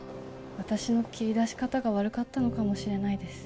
私の切り出し方が悪かったのかもしれないです